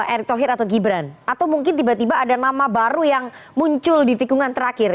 erick thohir atau gibran atau mungkin tiba tiba ada nama baru yang muncul di tikungan terakhir